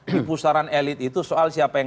di pusaran elit itu soal siapa yang